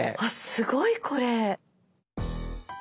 すごいこれ。